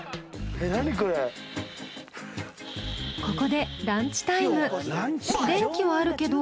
ここでランチタイム。